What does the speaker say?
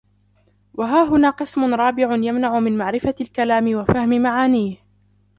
وَهَا هُنَا قِسْمٌ رَابِعٌ يَمْنَعُ مِنْ مَعْرِفَةِ الْكَلَامِ وَفَهْمِ مَعَانِيهِ